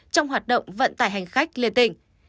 trong hoạt động vận tải hành khách liên tỉnh